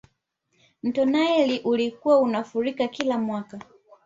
mto naili ulikuwa unafurika kila mwaka